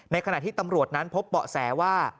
ขณะที่ตำรวจนั้นพบเบาะแสว่า